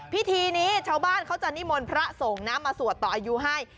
พิธีนี้ชาวบ้านเขาจะนิมนต์พระสงฆ์นะมาสวดต่ออายุให้